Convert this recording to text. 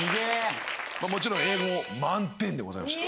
もちろん英語満点でございました。